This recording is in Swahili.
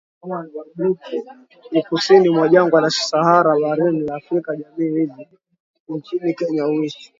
Kusini mwa Jangwa la Sahara barani Afrika Jamii hizi nchini Kenya huishi